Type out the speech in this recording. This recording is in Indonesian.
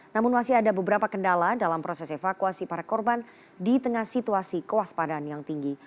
namun masih ada beberapa kendala dalam proses evakuasi para korban di tengah situasi kewaspadaan yang tinggi